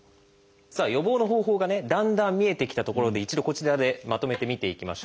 さあ予防の方法がだんだん見えてきたところで一度こちらでまとめて見ていきましょう。